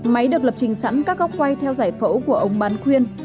máy được lập trình sẵn các góc quay theo giải phẫu của ông bán khuyên